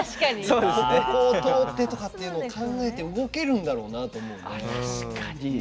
ここを通ってとか考えて動けるんだろうなと思うね。